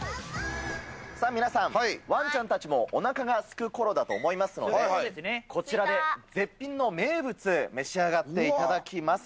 さあ皆さん、ワンちゃんたちもおなかがすくころだと思いますので、こちらで絶品の名物、召し上がっていただきます。